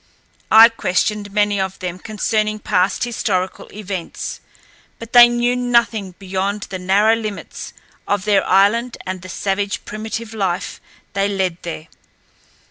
I questioned many of them concerning past historical events, but they knew nothing beyond the narrow limits of their island and the savage, primitive life they led there.